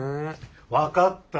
分かった。